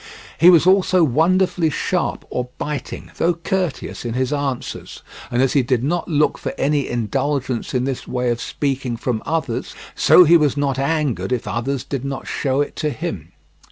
He was also wonderfully sharp or biting though courteous in his answers; and as he did not look for any indulgence in this way of speaking from others, so he was not angered with others did not show it to him.